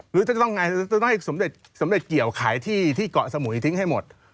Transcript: หรือจะต้องให้สมเด็จเกี่ยวขายที่เกาะสมุยทิ้งให้หมด